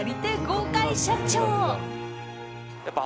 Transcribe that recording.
豪快社長。